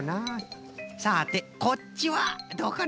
さてこっちはどうかな？